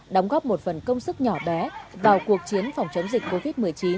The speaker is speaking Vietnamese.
đóng góp một phần công sức nhỏ bé vào cuộc chiến phòng chống dịch covid một mươi chín